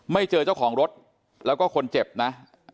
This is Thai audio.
เจอเจ้าของรถแล้วก็คนเจ็บนะ